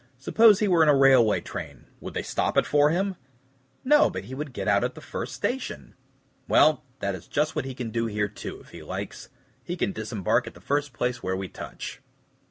Suppose he were in a railway train, would they stop it for him?" "No, but he would get out at the first station." "Well, that is just what he can do here, too, if he likes; he can disembark at the first place where we touch."